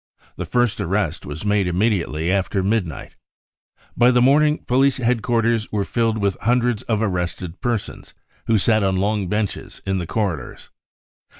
The first arrest was made immediately after midnight. By the morning, police headquarters were filled Mth hundreds of arrested persons, who sat on long benches in the corridors.